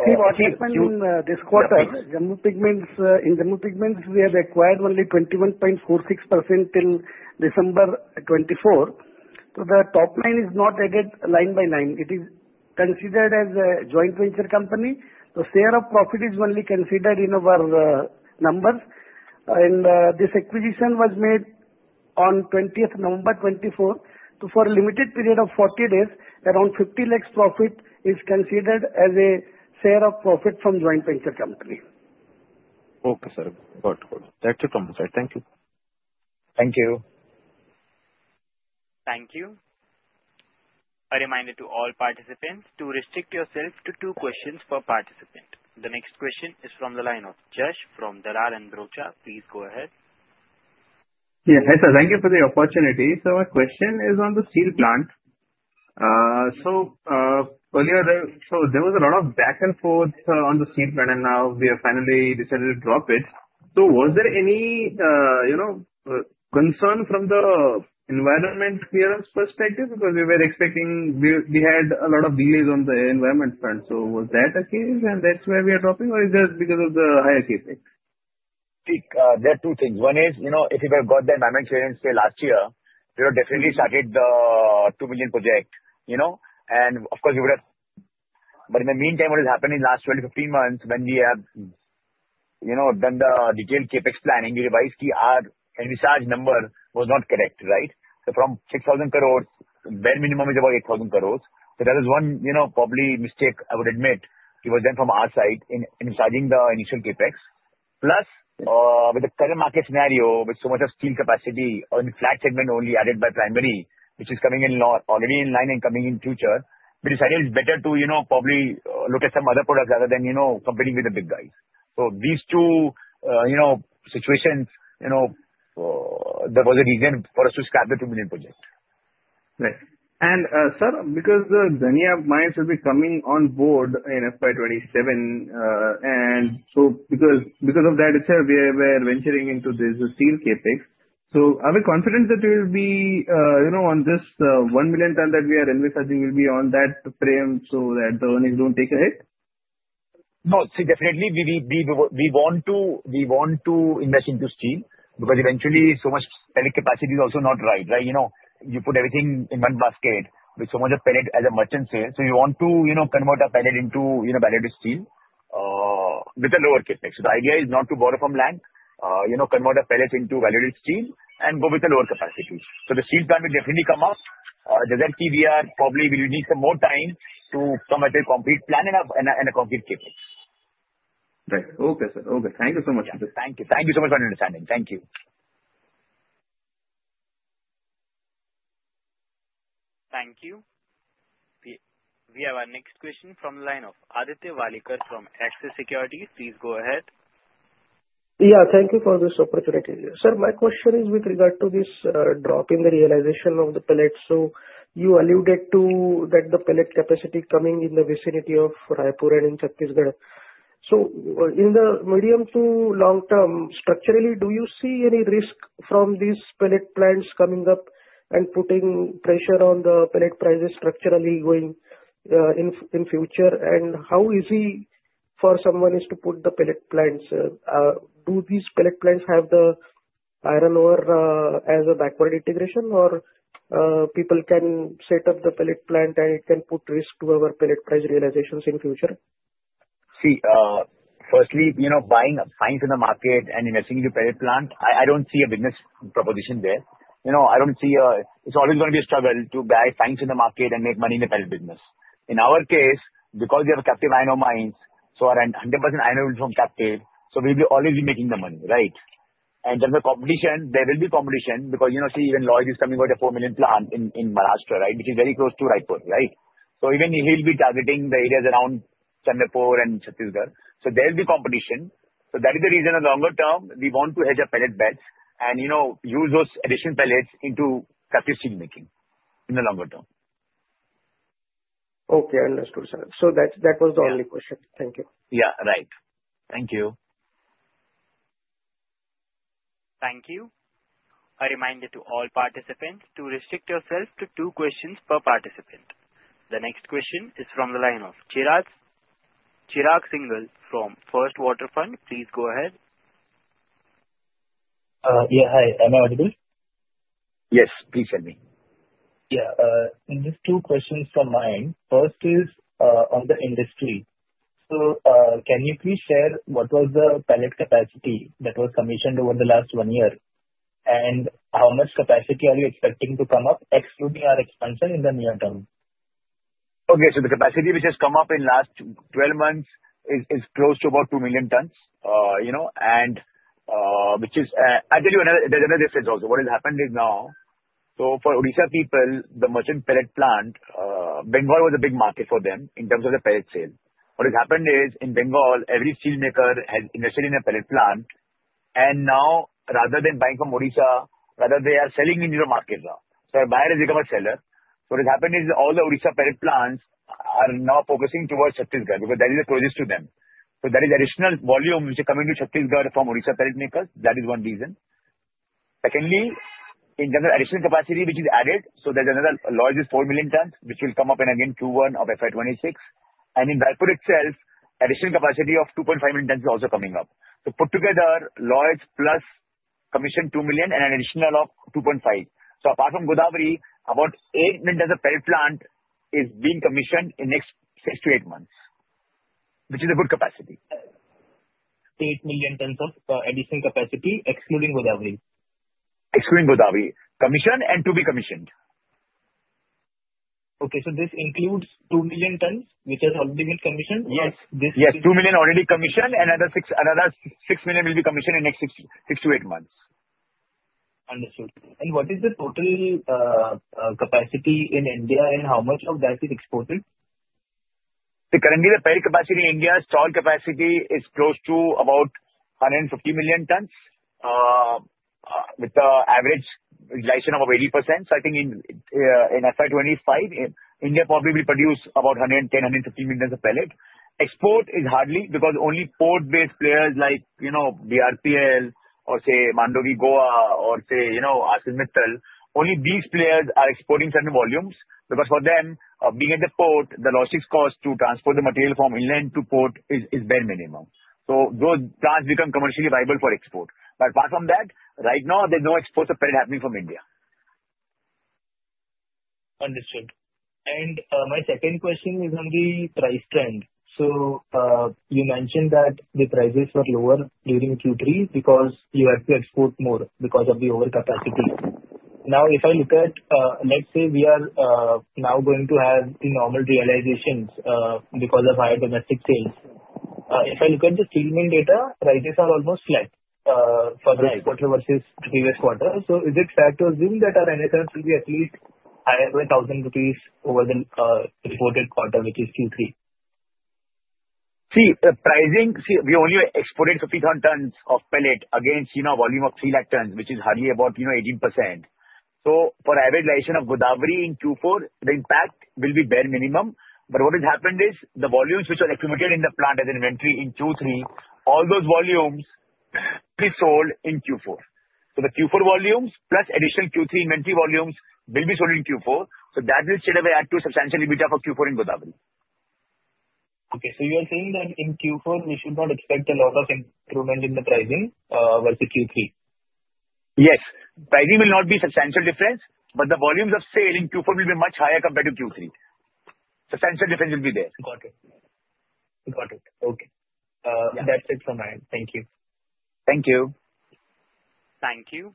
Sorry, can you please come again? Sir, in regards to Jammu Pigments, sir, what was the contribution to the top line, any in terms of percentage? See, what happened this quarter, Jammu Pigments, in Jammu Pigments, we have acquired only 21.46% till December 2024. So the top line is not added line by line. It is considered as a joint venture company. The share of profit is only considered in our numbers. And this acquisition was made on 20th November 2024. So for a limited period of 40 days, around 50 lakh profit is considered as a share of profit from joint venture company. Okay, sir. Got it. Got it. Thank you, Sanjay. Thank you. Thank you. Thank you. A reminder to all participants to restrict yourself to two questions per participant. The next question is from the line of Jash from Dalal & Broacha. Please go ahead. Yes. Hi, sir. Thank you for the opportunity. So my question is on the steel plant. So earlier, there was a lot of back and forth on the steel plant, and now we have finally decided to drop it. So was there any concern from the environmental clearance perspective? Because we were expecting we had a lot of delays on the environmental front. So was that a case, and that's why we are dropping, or is that because of the higher CapEx? See, there are two things. One is if you have got the environmental clearance last year, we would have definitely started the 2 million project. And of course, we would have. But in the meantime, what has happened in the last 12-15 months when we have done the detailed CapEx planning, we revised our envisaged number was not correct, right? So from 6,000 crore, bare minimum is about 8,000 crore. So that is one probably mistake I would admit was done from our side in envisaging the initial CapEx. Plus, with the current market scenario, with so much of steel capacity on flat segment only added by primary, which is coming online already and coming online in future, we decided it's better to probably look at some other products rather than competing with the big guys. These two situations, there was a reason for us to scrap the 2 million project. Right. And sir, because Ari Dongri mines will be coming on board in FY 2027, and so because of that, sir, we are venturing into this steel CapEx. So are we confident that we will be on this one million ton that we are envisaging will be on that frame so that the earnings don't take a hit? No. See, definitely, we want to invest into steel because eventually, so much pellet capacity is also not right, right? You put everything in one basket with so much of pellet as a merchant sale. So you want to convert a pellet into value-added steel with a lower CapEx. So the idea is not to brownfield, convert a pellet into value-added steel, and go with the lower capacity. So the steel plant will definitely come up. The key is, we probably will need some more time to come at a concrete plan and a concrete CapEx. Right. Okay, sir. Okay. Thank you so much, sir. Thank you. Thank you so much for understanding. Thank you. Thank you. We have our next question from the line of Aditya Welekar from Axis Securities. Please go ahead. Yeah. Thank you for this opportunity. Sir, my question is with regard to this drop in the realization of the pellets. So you alluded to that the pellet capacity coming in the vicinity of Raipur and in Chhattisgarh. So in the medium to long term, structurally, do you see any risk from these pellet plants coming up and putting pressure on the pellet prices structurally going in future? And how easy for someone is to put the pellet plants? Do these pellet plants have the iron ore as a backward integration, or people can set up the pellet plant and it can put risk to our pellet price realizations in future? See, firstly, buying fines in the market and investing into pellet plant, I don't see a business proposition there. I don't see it's always going to be a struggle to buy fines in the market and make money in the pellet business. In our case, because we have captive iron ore mines, so our 100% iron ore is from captive, so we will always be making the money, right? And in terms of competition, there will be competition because see, even Lloyds is coming with a 4 million plant in Maharashtra, right, which is very close to Raipur, right? So even he'll be targeting the areas around Chandrapur and Chhattisgarh. So that is the reason in the longer term, we want to hedge our pellet bets and use those additional pellets into captive steel making in the longer term. Okay. I understood, sir. So that was the only question. Thank you. Yeah. Right. Thank you. Thank you. A reminder to all participants to restrict yourself to two questions per participant. The next question is from the line of Chirag Singhal from First Water Fund. Please go ahead. Yeah. Hi. Am I audible? Yes. Please tell me. Yeah. In these two questions from me, first is on the industry. So can you please share what was the pellet capacity that was commissioned over the last one year and how much capacity are you expecting to come up, excluding our expansion in the near term? Okay. So the capacity which has come up in the last 12 months is close to about two million tons, and which is I'll tell you there's another difference also. What has happened is now, so for Odisha people, the merchant pellet plant, Bengal was a big market for them in terms of the pellet sale. What has happened is in Bengal, every steelmaker has invested in a pellet plant, and now rather than buying from Odisha, rather they are selling in your market now. So a buyer has become a seller. So what has happened is all the Odisha pellet plants are now focusing towards Chhattisgarh because that is the closest to them. So that is additional volume which is coming to Chhattisgarh from Odisha pellet makers. That is one reason. Secondly, in terms of additional capacity which is added, so there's another Lloyds is four million tons, which will come up in again Q1 of FY 2026. And in Raipur itself, additional capacity of 2.5 million tons is also coming up. So put together, Lloyds plus commissioned two million and an additional of 2.5 million. So apart from Godawari, about eight million tons of pellet plant is being commissioned in the next six to eight months, which is a good capacity. Eight million tons of additional capacity, excluding Godawari? Excluding Godawari. Commissioned and to be commissioned. Okay. So this includes two million tons, which has already been commissioned? Yes. Yes. two million already commissioned and another six million will be commissioned in the next six to eight months. Understood. And what is the total capacity in India and how much of that is exported? Currently, the pellet capacity in India, installed capacity is close to about 150 million tons with the average realization of 80%. So I think in FY 2025, India probably will produce about 110 million-115 million tons of pellets. Export is hardly because only port-based players like BRPL or say Mandovi, Goa or say ArcelorMittal, only these players are exporting certain volumes because for them, being at the port, the logistics cost to transport the material from inland to port is bare minimum. So those plants become commercially viable for export. But apart from that, right now, there's no export of pellets happening from India. Understood. And my second question is on the price trend. So you mentioned that the prices were lower during Q3 because you had to export more because of the overcapacity. Now, if I look at, let's say we are now going to have the normal realizations because of higher domestic sales. If I look at the SteelMint data, prices are almost flat for the quarter versus previous quarter. So is it fair to assume that our NSRs will be at least higher by 1,000 rupees over the reported quarter, which is Q3? We only exported 50,000 tons of pellets against a volume of 3 lakh tons, which is hardly about 18%. So for average realization of Godawari in Q4, the impact will be bare minimum. But what has happened is the volumes which are accumulated in the plant as inventory in Q3, all those volumes will be sold in Q4. So the Q4 volumes plus additional Q3 inventory volumes will be sold in Q4. So that will still have a substantial EBITDA for Q4 in Godawari. Okay. So you are saying that in Q4, we should not expect a lot of improvement in the pricing versus Q3? Yes. Pricing will not be substantial difference, but the volumes of sale in Q4 will be much higher compared to Q3. Substantial difference will be there. Got it. Got it. Okay. That's it from my side. Thank you. Thank you. Thank you.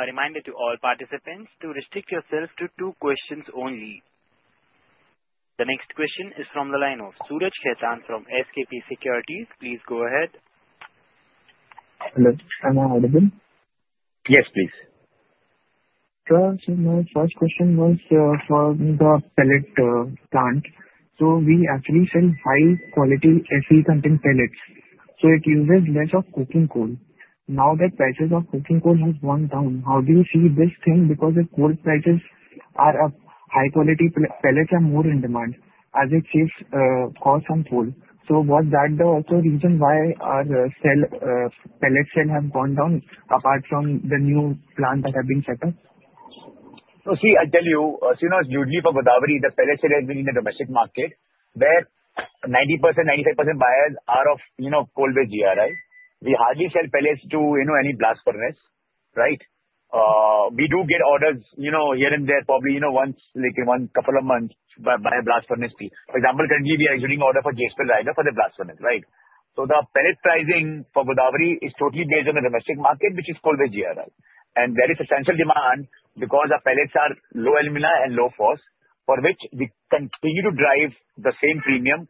A reminder to all participants to restrict yourselves to two questions only. The next question is from the line of Suraj Khaitan from SKP Securities. Please go ahead. Hello. Am I audible? Yes, please. Sir, so my first question was for the pellet plant. So we actually sell high-quality Fe content pellets. So it uses less of coking coal. Now that prices of coking coal have gone down, how do you see this thing? Because if coal prices are up, high-quality pellets are more in demand as it saves costs on coal. So was that also a reason why our pellet sale has gone down apart from the new plant that has been set up? So see, I'll tell you, as soon as you leave for Godawari, the pellet sale has been in the domestic market where 90%, 95% buyers are of coal-based DRI, right? We hardly sell pellets to any blast furnace, right? We do get orders here and there, probably once in a couple of months by a blast furnace firm. For example, currently, we are issuing orders for JSPL Raigarh for the blast furnace, right? So the pellet pricing for Godawari is totally based on the domestic market, which is coal-based DRI, right? And there is substantial demand because our pellets are low alumina and low phosphorus for which we continue to drive the same premium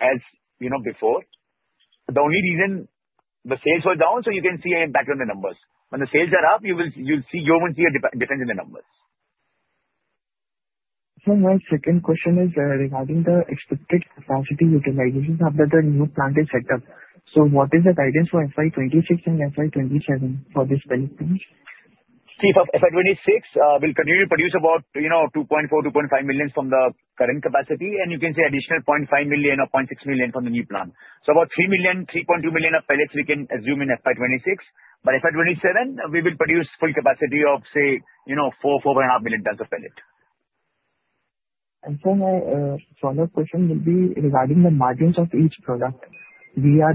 as before. The only reason the sales were down, so you can see an impact on the numbers. When the sales are up, you'll see you won't see a difference in the numbers. Sir, my second question is regarding the expected capacity utilization after the new plant is set up. So what is the guidance for FY 2026 and FY 2027 for this pellet plant? See, FY 2026 will continue to produce about 2.4 million-2.5 million from the current capacity, and you can see additional 0.5 million-0.6 million from the new plant. So about 3 million-3.2 million of pellets we can assume in FY 2026. But FY 2027, we will produce full capacity of, say, 4 million-4.5 million tons of pellets. Sir, my follow-up question will be regarding the margins of each product. We are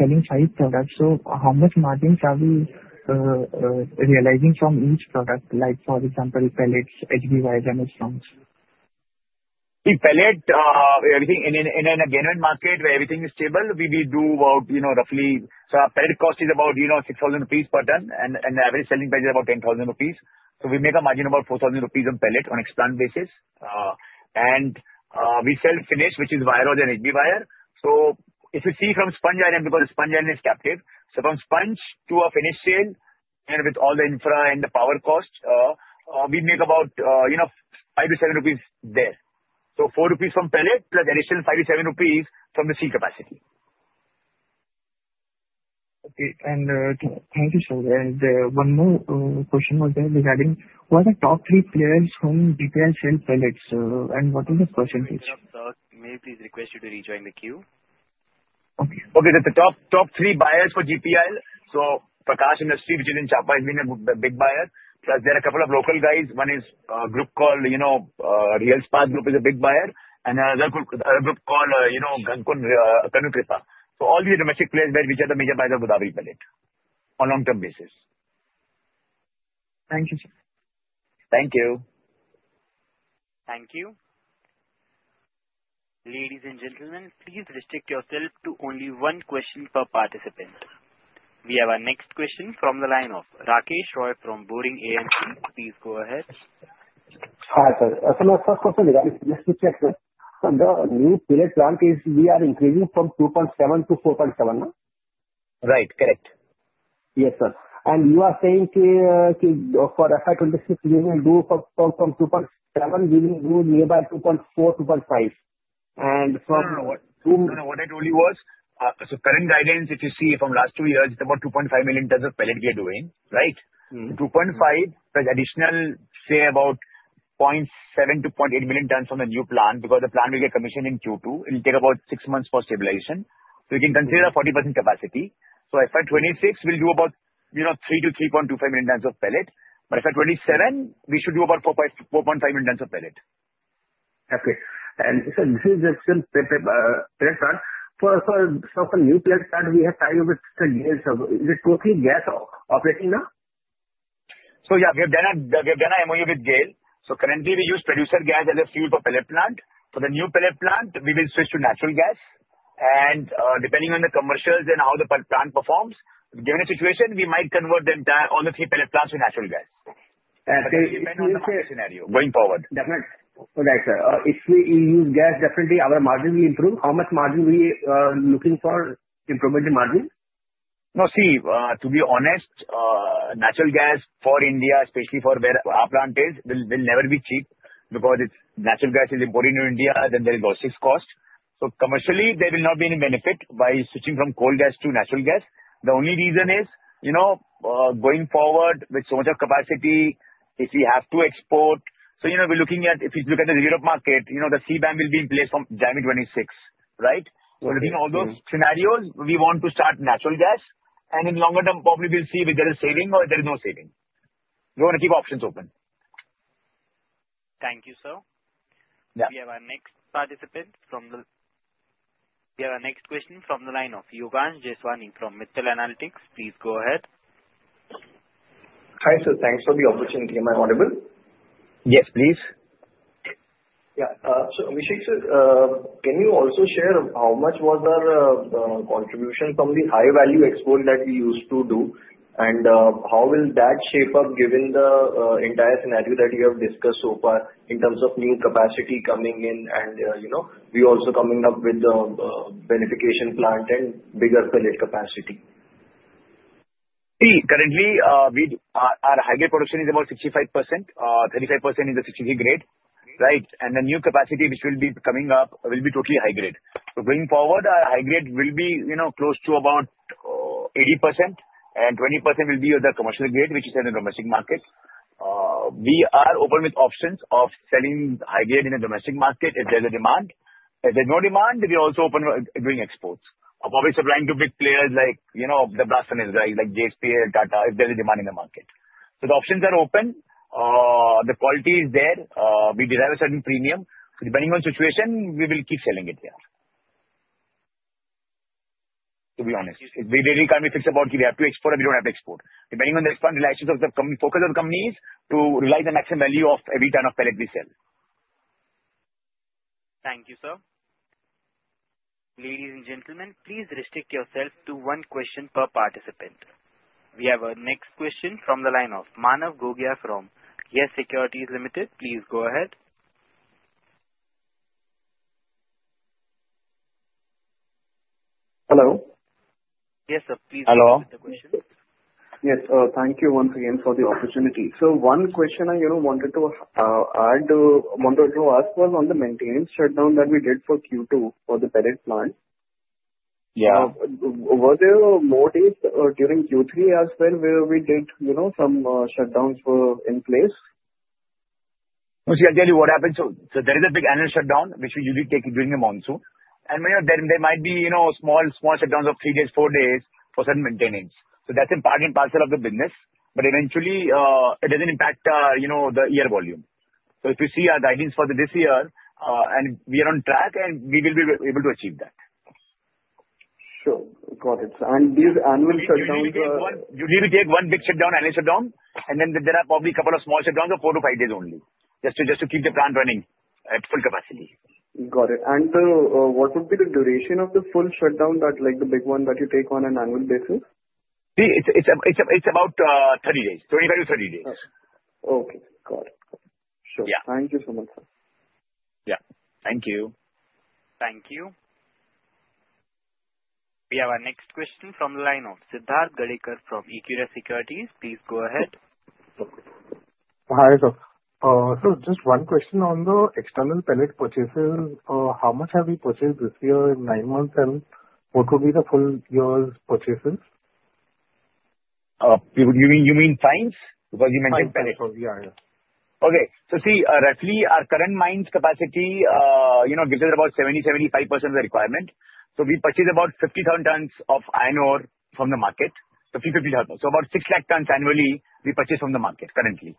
selling five products. So how much margin are we realizing from each product, like for example, pellets, HB wires, and MS rounds? See, pellet, in an integrated market where everything is stable, we do about. Our pellet cost is about 6,000 rupees per ton, and the average selling price is about 10,000 rupees. We make a margin of about 4,000 rupees on pellet on ex-works basis. We sell finished, which is wire or HB wire. If you see from sponge iron because sponge iron is captive. From sponge to a finished sale, and with all the infra and the power cost, we make about 5-7 rupees there. 4 rupees from pellet plus additional 5-7 rupees from the steel capacity. Okay. And thank you, sir. And one more question was regarding who are the top three players whom GPIL sells pellets, and what is the percentage? May we please request you to rejoin the queue? Okay. So the top three buyers for GPIL, so Prakash Industries, which is in Champa, has been a big buyer. Plus, there are a couple of local guys. One is a group called Real Ispat Group, which is a big buyer, and another group called Karnikripa. So all these are domestic players which are the major buyers of Godawari pellet on a long-term basis. Thank you, sir. Thank you. Thank you. Ladies and gentlemen, please restrict yourself to only one question per participant. We have our next question from the line of Rakesh Roy from Boring AMC. Please go ahead. Hi, sir. So my first question regarding this is just to check. So the new pellet plant is we are increasing from 2.7 to 4.7, no? Right. Correct. Yes, sir, and you are saying for FY 2026, we will do from 2.7. We will go nearby 2.4, 2.5. And from. No, no. What I told you was, so current guidance, if you see from last two years, it's about 2.5 million tons of pellets we are doing, right? 2.5 plus additional, say, about 0.7 million-0.8 million tons from the new plant because the plant will get commissioned in Q2. It will take about six months for stabilization. So you can consider a 40% capacity. So FY 2026 will do about 3 million-3.25 million tons of pellets. But FY 2027, we should do about 4.5 million tons of pellets. Okay. And sir, this is just pellet plant. So for new pellet plant, we have targeted with GAIL. Is it totally gas operating now? Yeah, we have done an MOU with GAIL. Currently, we use producer gas as a fuel for pellet plant. For the new pellet plant, we will switch to natural gas. Depending on the commercials and how the plant performs, given the situation, we might convert the entire three pellet plants to natural gas. Okay. It depends on the operating scenario going forward. Definitely. Okay, sir. If we use gas, definitely our margin will improve. How much margin are we looking for, improvement in margin? Now, see, to be honest, natural gas for India, especially for where our plant is, will never be cheap because natural gas is imported into India, then there is logistics cost. So commercially, there will not be any benefit by switching from coal gas to natural gas. The only reason is going forward with so much of capacity, if we have to export. So we're looking at if you look at the Europe market, the CBAM will be in place from January 26, right? So looking at all those scenarios, we want to start natural gas. And in longer term, probably we'll see if there is saving or there is no saving. We want to keep options open. Thank you, sir. We have our next question from the line of Yogansh Jeswani from Mittal Analytics. Please go ahead. Hi, sir. Thanks for the opportunity. Am I audible? Yes, please. Yeah. So Abhishek, sir, can you also share how much was our contribution from the high-value export that we used to do? And how will that shape up given the entire scenario that you have discussed so far in terms of new capacity coming in and we also coming up with the beneficiation plant and bigger pellet capacity? See, currently, our high-grade production is about 65%. 35% is the 63 grade, right? The new capacity, which will be coming up, will be totally high-grade. So going forward, our high-grade will be close to about 80%, and 20% will be of the commercial grade, which is in the domestic market. We are open with options of selling high-grade in the domestic market if there is a demand. If there is no demand, we are also open doing exports. Obviously, we're trying to pick players like the blast furnace guys like JSPL, Tata, if there is a demand in the market. So the options are open. The quality is there. We deserve a certain premium. So depending on the situation, we will keep selling it there. To be honest, we really can't be fixed about if we have to export or we don't have to export. Depending on the expanded realizations of the focus of the companies to realize the maximum value of every ton of pellet we sell. Thank you, sir. Ladies and gentlemen, please restrict yourself to one question per participant. We have our next question from the line of Manav Gogia from YES SECURITIES Limited. Please go ahead. Hello? Yes, sir. Please raise the question. Hello? Yes. Thank you once again for the opportunity, so one question I wanted to add to wanted to ask was on the maintenance shutdown that we did for Q2 for the pellet plant. Were there more days during Q3 as well where we did some shutdowns in place? See, I'll tell you what happened. There is a big annual shutdown, which we usually take during the monsoon. There might be small shutdowns of three days, four days for certain maintenance. That's an important part of the business. Eventually, it doesn't impact the year volume. If you see our guidance for this year, we are on track, and we will be able to achieve that. Sure. Got it. And these annual shutdowns. Usually, we take one big shutdown, annual shutdown, and then there are probably a couple of small shutdowns of four to five days only just to keep the plant running at full capacity. Got it. And what would be the duration of the full shutdown, the big one that you take on an annual basis? See, it's about 30 days, 25-30 days. Okay. Got it. Sure. Thank you so much, sir. Yeah. Thank you. Thank you. We have our next question from the line of Siddharth Gadekar from Equirus Securities. Please go ahead. Hi, sir. So just one question on the external pellet purchases. How much have we purchased this year in nine months, and what will be the full year's purchases? You mean times? Because you mentioned pellets. Yeah, yeah. See, roughly, our current mine capacity gives us about 70%-75% of the requirement. So we purchase about 50,000 tons of iron ore from the market. So about 6 lakh tons annually we purchase from the market currently.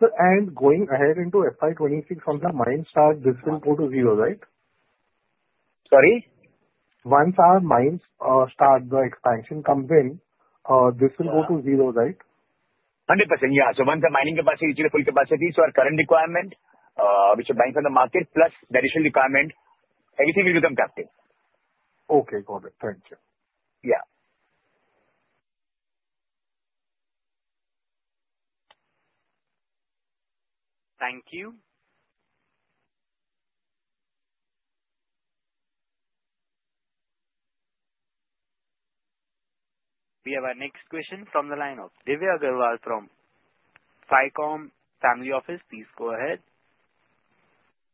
Going ahead into FY 2026, from the mine start, this will go to zero, right? Sorry? Once our mines start, the expansion comes in, this will go to zero, right? 100%, yeah. So once the mining capacity reaches the full capacity, so our current requirement, which is mining from the market, plus the additional requirement, everything will become captive. Okay. Got it. Thank you. Yeah. Thank you. We have our next question from the line of Divya Agarwal from Ficom Family Office. Please go ahead.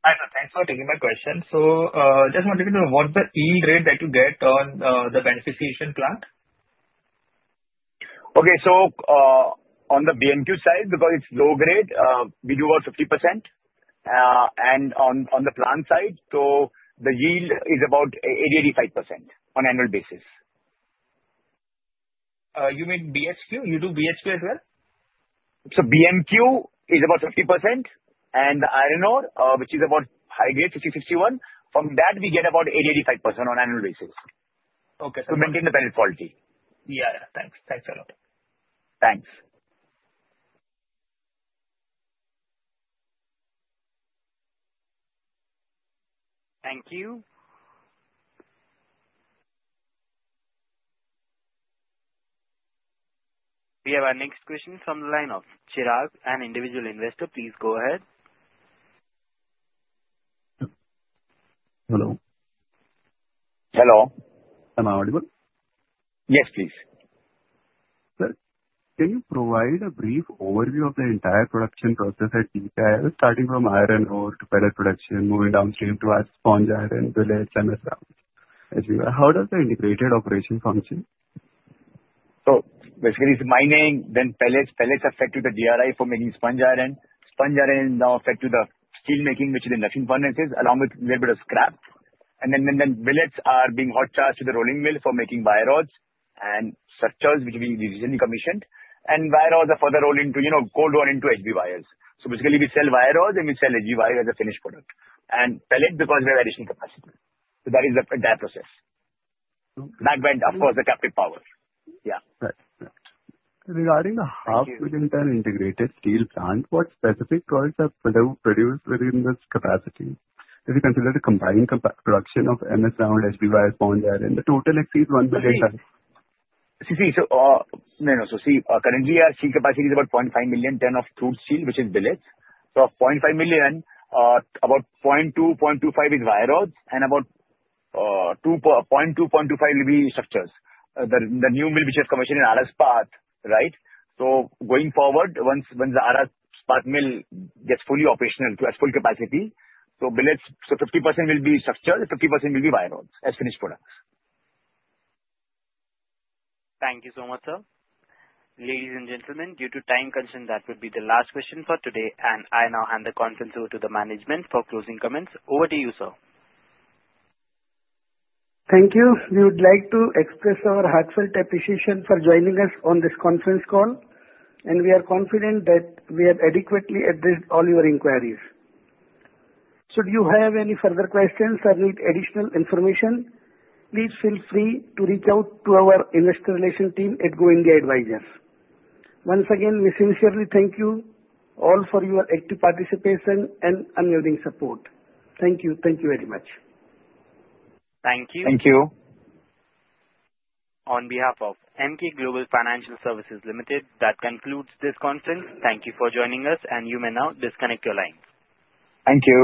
Hi, sir. Thanks for taking my question. So just wanted to know, what's the yield rate that you get on the beneficiation plant? Okay. So on the BMQ side, because it's low grade, we do about 50%. And on the plant side, so the yield is about 80%-85% on annual basis. You mean BMQ? You do BMQ as well? So, BMQ is about 50%, and the iron ore, which is about high grade, 50-51%. From that, we get about 80-85% on annual basis to maintain the pellet quality. Yeah. Thanks. Thanks a lot. Thanks. Thank you. We have our next question from the line of Chirag, an individual investor. Please go ahead. Hello? Hello. Am I audible? Yes, please. Sir, can you provide a brief overview of the entire production process at GPIL, starting from iron ore to pellet production, moving downstream to sponge iron, billet, and as well? How does the integrated operation function? So basically, it's mining, then pellets, pellets fed to the DRI for making sponge iron. Sponge iron now fed to the steel making, which is the induction furnace, along with a little bit of scrap. And then billets are being hot charged to the rolling mill for making wire rods and structures, which we recently commissioned. And wire rods are further rolled into HB wires. So basically, we sell wire rods, and we sell HB wire as a finished product. And pellets, because we have additional capacity. So that is the entire process. Backward integration, of course, the captive power. Yeah. Right. Right. Regarding the 0.5 million ton integrated steel plant, what specific products are produced within this capacity? If you consider the combined production of MS rounds, HB wires, sponge iron, the total exceeds 1 million tons. Currently, our steel capacity is about 0.5 million tons of crude steel, which is billets. So 0.5 million, about 0.2-0.25 is wire rods, and about 0.2-0.25 will be structures. The new mill, which is commissioned in RR Ispat, right? So going forward, once the RR Ispat mill gets fully operational to its full capacity, so billets, so 50% will be structures, 50% will be wire rods as finished products. Thank you so much, sir. Ladies and gentlemen, due to time constraints, that would be the last question for today. And I now hand the conference over to the management for closing comments. Over to you, sir. Thank you. We would like to express our heartfelt appreciation for joining us on this conference call. We are confident that we have adequately addressed all your inquiries. Should you have any further questions or need additional information, please feel free to reach out to our investor relations team at Go India Advisors. Once again, we sincerely thank you all for your active participation and unwavering support. Thank you. Thank you very much. Thank you. Thank you. On behalf of Emkay Global Financial Services Limited, that concludes this conference. Thank you for joining us, and you may now disconnect your line. Thank you.